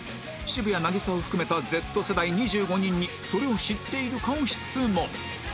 渋谷凪咲を含めた Ｚ 世代２５人にそれを知っているかを質問